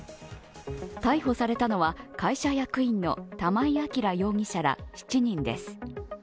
逮捕されたのは会社役員の玉井暁容疑者ら７人です。